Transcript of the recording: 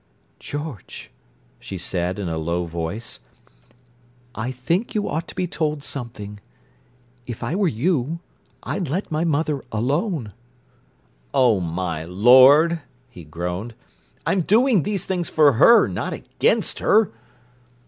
"George," she said in a low voice, "I think you ought to be told something. If I were you, I'd let my mother alone." "Oh, my Lord!" he groaned. "I'm doing these things for her, not against her!"